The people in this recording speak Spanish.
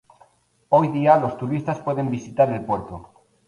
Hoy día, los turistas pueden visitar el puerto.